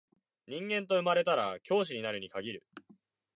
人間と生まれたら教師となるに限る